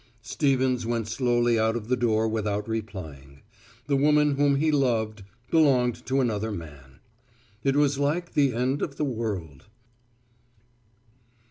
Stevens went slowly out of the door without replying. The woman whom he loved belonged to another man. It was like the end of the world.